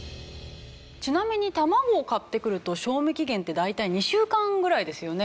ちなみに卵を買ってくると賞味期限って大体２週間ぐらいですよね。